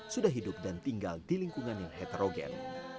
sudah hidup dan tinggal di lingkungan yang heterogen